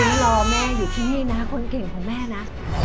รอแม่อยู่ที่นี่นะคนเก่งของแม่นะ